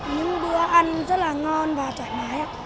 những bữa ăn rất là ngon và thoải mái